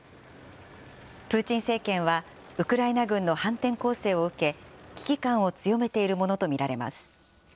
プーチン政権はウクライナ軍の反転攻勢を受け、危機感を強めているものと見られます。